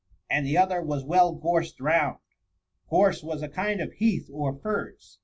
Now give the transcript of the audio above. And the other was well gorsed round.^ Gorse was a kind of heath or furze.